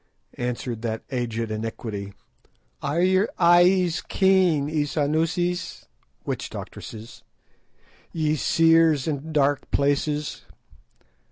_" answered that aged Iniquity. "Are your eyes keen, Isanusis [witch doctresses], ye seers in dark places?"